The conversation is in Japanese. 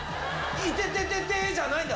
いててててじゃないんだよ。